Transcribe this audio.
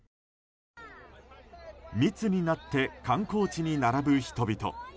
密になって観光地に並ぶ人々。